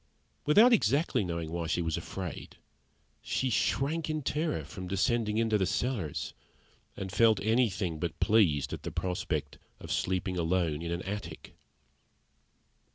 Without exactly knowing why she was afraid, she shrank in terror from descending into the cellars, and felt anything but pleased at the prospect of sleeping alone in an attic.